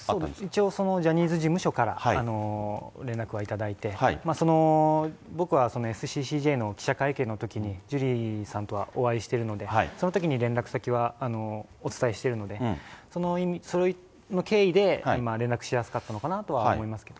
一応そのジャニーズ事務所から連絡を頂いて、僕はＳＣＣＪの記者会見のときに、ジュリーさんとはお会いしているので、そのときに連絡先はお伝えしているので、それの経緯で連絡しやすかったのかなとは思いますけど。